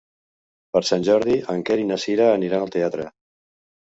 Per Sant Jordi en Quer i na Cira aniran al teatre.